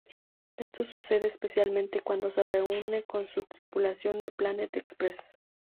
Esto sucede especialmente cuando se reúne con su tripulación de Planet Express.